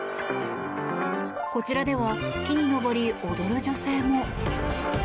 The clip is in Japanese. こちらでは木に登り、踊る女性も。